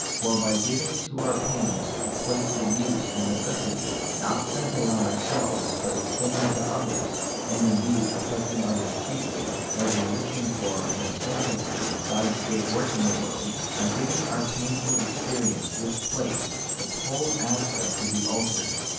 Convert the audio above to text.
For by giving to our pains a place of use and of necessity, not centred on ourselves, but extending to others, and indeed affecting others chiefly, as exist ing for, and essential to, God's great work in the world ;— by giving to our painful ex perience this place, its whole aspect would be altered.